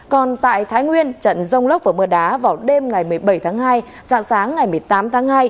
còn tại thái nguyên trận rông lốc và mưa đá vào đêm ngày một mươi bảy tháng hai dạng sáng ngày một mươi tám tháng hai